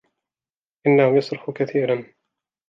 إنه يصرخ كثيراً.